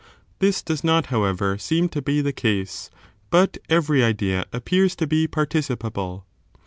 This does not, however, seem to be the case ; but every idea appears to be participable.